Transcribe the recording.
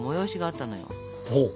ほう。